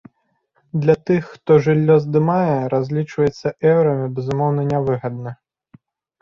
Для тых, хто жыллё здымае, разлічвацца еўрамі безумоўна нявыгадна.